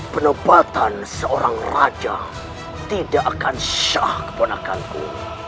penempatan seorang raja tidak akan syah keponakanku